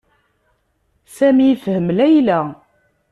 Sami yefhem Layla.